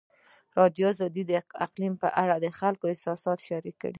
ازادي راډیو د اقلیم په اړه د خلکو احساسات شریک کړي.